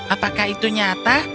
apakah itu nyata